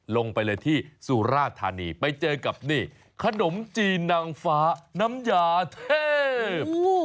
ลงไปเลยที่สุราธานีไปเจอกับนี่ขนมจีนนางฟ้าน้ำยาเทพ